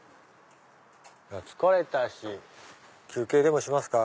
疲れたし休憩でもしますか。